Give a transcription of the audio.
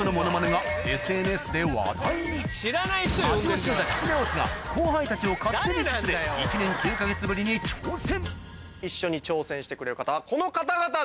味を占めたきつね・大津が後輩たちを勝手に引き連れ１年９か月ぶりに挑戦